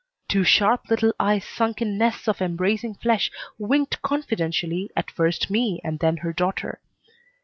Two sharp little eyes sunk in nests of embracing flesh winked confidentially at first me and then her daughter.